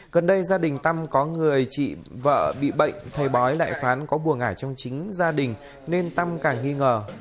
gần đây gia đình tam có người chị vợ bị bệnh thầy bói lại phán có bùa ngải trong chính gia đình nên tam càng nghi ngờ